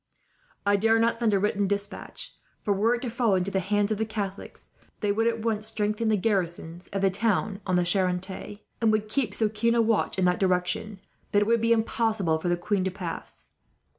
"I dare not send a written despatch for, were it to fall into the hands of the Catholics, they would at once strengthen the garrisons of the town on the Charente; and would keep so keen a watch, in that direction, that it would be impossible for the queen to pass.